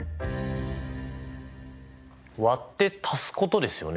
「和」って足すことですよね。